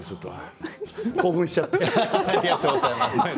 興奮しちゃって。